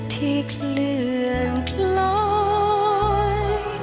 ที่เคลื่อนคล้อย